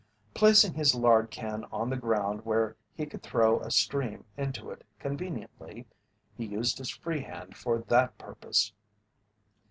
Placing his lard can on the ground where he could throw a stream into it conveniently, he used his free hand for that purpose.